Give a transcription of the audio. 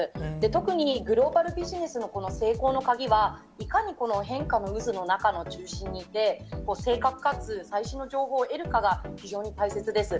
特にグローバルビジネスのこの成功の鍵は、いかにこの変化の渦の中の中心にいて、正確かつ最新の情報を得るかが、非常に大切です。